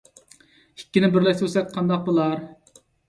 ئىككىنى بىرلەشتۈرسەك قانداق بولار؟